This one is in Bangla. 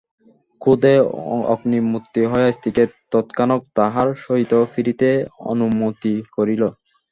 ক্রোধে অগ্নিমূর্তি হইয়া স্ত্রীকে তৎক্ষণাৎ তাহার সহিত ফিরিতে অনুমতি করিল।